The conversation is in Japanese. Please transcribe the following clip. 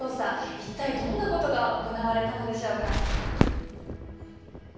一体どんなことが行われたのでしょうか。